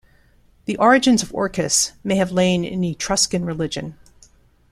The origins of Orcus may have lain in Etruscan religion.